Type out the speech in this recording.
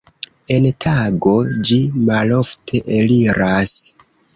En tago ĝi malofte eliras.